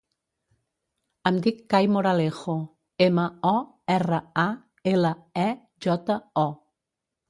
Em dic Cai Moralejo: ema, o, erra, a, ela, e, jota, o.